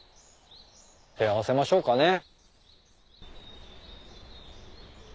手合わせましょうかね。